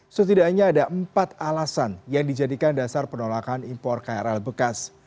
setidaknya ada empat alasan yang dijadikan dasar penolakan impor krl bekas